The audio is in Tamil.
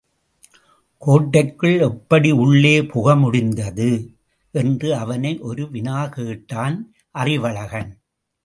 கோட்டைக்குள் எப்படி உள்ளே புகமுடிந்தது? என்று அவனை ஒரு வினா கேட்டான் அறிவழகன்.